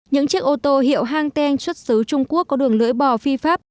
những chiếc ô tô hiệu hang teng xuất xứ trung quốc có đường lưỡi bò phi pháp